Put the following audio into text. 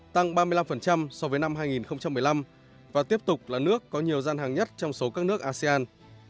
tăng ba mươi năm so với năm hai nghìn một mươi năm và tiếp tục là nước có nhiều gian hàng nhất trong số các nước asean